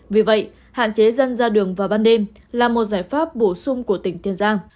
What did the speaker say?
vì vậy hạn chế dân ra đường vào ban đêm là một giải pháp bổ sung của tỉnh tiền giang